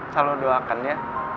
selalu doakan ya